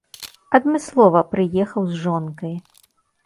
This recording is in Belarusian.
Адмыслова прыехаў з жонкай.